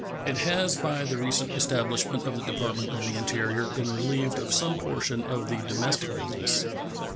It has by the recent establishment of the Department of the Interior been relieved of some portion of the domestic business.